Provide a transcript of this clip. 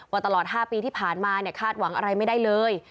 ว่าตลอด๕ปีที่ผ่านมาคาดหวังอะไรไม่ได้เลย